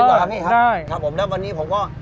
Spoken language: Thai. ครับผมแล้ววันนี้ผมก็